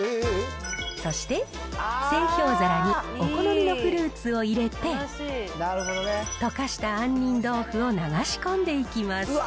そして、製氷皿にお好みのフルーツを入れて、溶かした杏仁豆腐を流し込んでいきます。